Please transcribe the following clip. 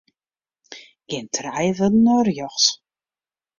Gean trije wurden nei rjochts.